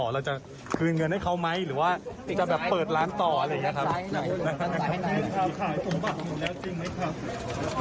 เราจะคืนเงินให้เขาไหมหรือว่าจะแบบเปิดร้านต่ออะไรอย่างนี้ครับ